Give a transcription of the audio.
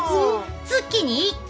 月に１回！